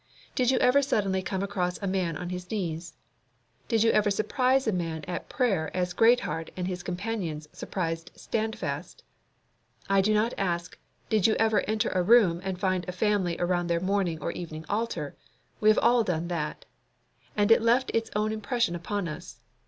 Did you ever suddenly come across a man on his knees? Did you ever surprise a man at prayer as Greatheart and his companions surprised Standfast? I do not ask, Did you ever enter a room and find a family around their morning or evening altar? We have all done that. And it left its own impression upon us.